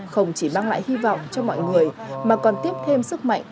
không chỉ mang lại hy vọng cho mọi người mà còn tiếp thêm sức mạnh